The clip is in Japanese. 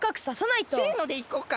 せのでいこうか。